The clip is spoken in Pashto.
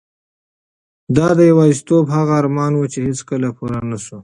دا د یوازیتوب هغه ارمان و چې هیڅکله پوره نشو.